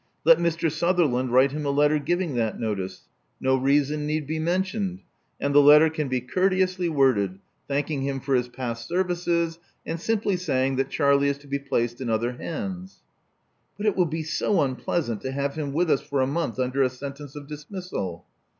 Let Mr. Suther land write him a letter giving that notice. No reason need be mentioned ; and the letter can be comrteously worded, thanking him for his past services, and simply saying that Charlie is to be placed in other handa " But it will be so unpleasant to have him with us for a month under a sentence of dismissal."